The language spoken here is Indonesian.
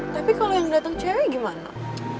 tapi kalau yang datang cewek gimana